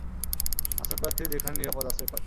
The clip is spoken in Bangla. আশ্রয়প্রার্থী যেখানে নিরাপদ আশ্রয় পায়।